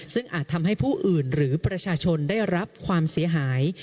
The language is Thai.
ซึ่งอาจทำให้ผู้อื่นหรือประชาชนได้รับความเสียหาย